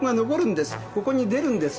ここに出るんです。